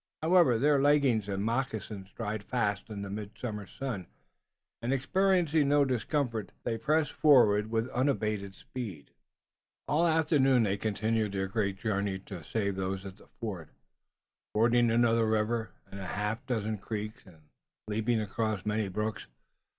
However, their leggings and moccasins dried fast in the midsummer sun, and, experiencing no discomfort, they pressed forward with unabated speed. All the afternoon they continued their great journey to save those at the fort, fording another river and a half dozen creeks and leaping across many brooks.